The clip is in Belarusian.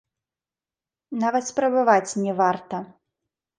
Нават спрабаваць не варта.